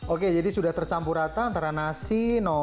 oke jadi sudah tercampur rata antara nasi